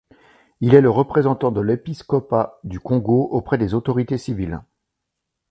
Il est le représentant de l’épiscopat du Congo auprès des autorités civiles.